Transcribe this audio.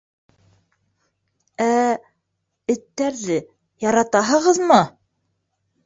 —Ә... эттәрҙе... яратаһығыҙмы?